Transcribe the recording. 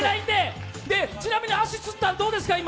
ちなみに足つったの、どうですか、今？